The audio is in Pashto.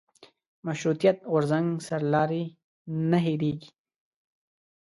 مشروطیت غورځنګ سرلاري نه هېرېږي.